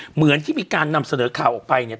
เหมือนที่มีการนำเสนอข่าวออกไปเนี่ย